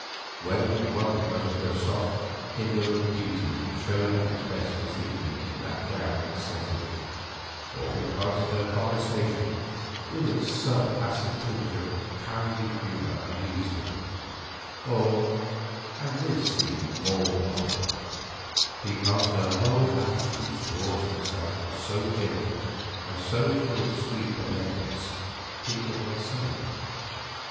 Whether it was because her soft, indolent beauty showed at its best this evening in that gown and setting, or because her conversation, with its sub acid tinge of kindly humour amused him, or—and this seemed more probable—because her whole attitude towards himself was so gentle and so full of sweet benevolence, he could not say.